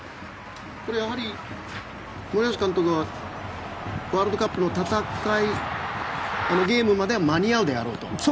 これ、やはり森保監督はワールドカップの戦いゲームまでは間に合うであろうと。